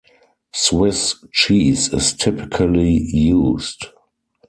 Swiss cheese is typically used.